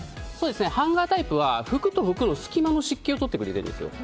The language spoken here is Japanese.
ハンガータイプは服と服の隙間の湿気をとってくれてるんですよ。